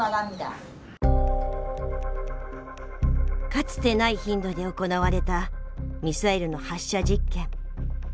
かつてない頻度で行われたミサイルの発射実験。